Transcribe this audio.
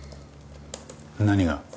何が？